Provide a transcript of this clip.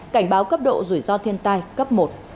cảnh báo cấp độ rủi ro thiên tai cấp một